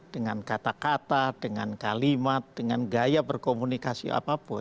dengan kata kata dengan kalimat dengan gaya berkomunikasi apapun